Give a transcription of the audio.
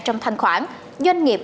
trong thanh khoản doanh nghiệp